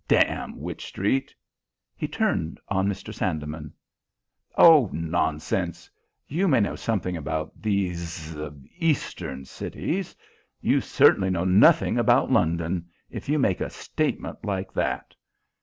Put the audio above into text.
Damn Wych Street! He turned on Mr. Sandeman. "Oh, nonsense! You may know something about these eastern cities; you certainly know nothing about London if you make a statement like that.